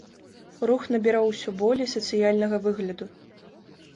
Рух набіраў усё болей сацыяльнага выгляду.